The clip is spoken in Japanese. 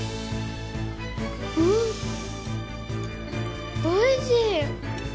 んおいしい！